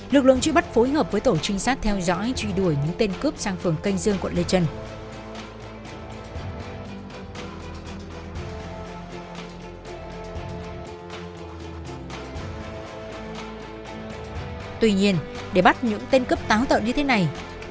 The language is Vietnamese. lực lượng công an thu giữ của nhóm cướp nhiều dao bình xịt hơi cay